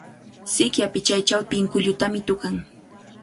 Sikya pichaychaw pinkullutami tukan.